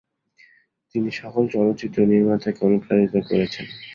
তিনি সকল চলচ্চিত্র নির্মাতাকে অনুপ্রাণিত করেছেন।